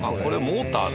モーター？